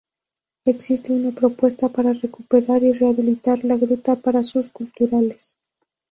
Existe una propuesta para recuperar y rehabilitar la gruta para usos culturales.